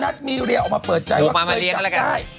มีเรียออกมาเปิดใจว่าเคยจับได้